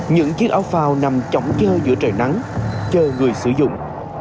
những chiếc áo phao nằm trọng chơ giữa trời nắng chờ người sử dụng